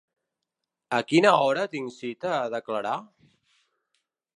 A quina hora tinc cita a declarar?